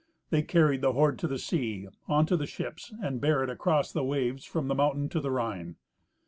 They carried the hoard to the sea, on to the ships, and bare it across the waves from the mountain to the Rhine.